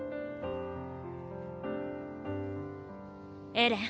エレン？